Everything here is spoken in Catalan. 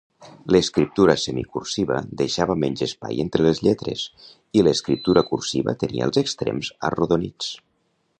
L'escriptura semicursiva deixava menys espai entre les lletres, i l'escriptura cursiva tenia els extrems arrodonits.